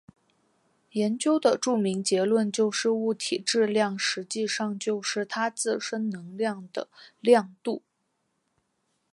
研究的著名结论就是物体质量实际上就是它自身能量的量度。